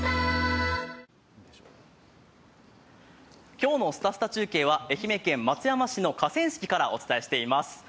今日の「すたすた中継」は愛媛県松山市の河川敷からお伝えしています。